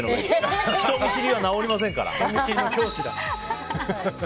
人見知りは治りませんから。